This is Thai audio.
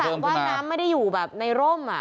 เพราะมันเป็นสั่งว่าน้ำไม่ได้อยู่แบบในร่มอะ